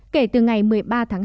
kể từ ngày một mươi ba tháng hai